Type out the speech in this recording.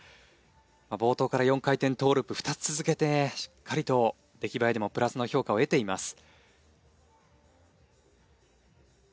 冒頭から４回転トーループ２つ続けてしっかりと出来栄えでもプラスの評価を得ています。